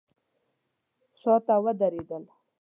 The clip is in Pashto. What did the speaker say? شاته ودرېدل.